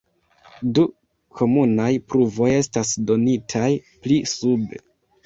Du komunaj pruvoj estas donitaj pli sube.